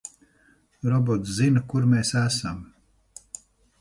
Robots zina, kur mēs esam.